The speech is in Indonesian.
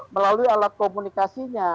melalui alat komunikasinya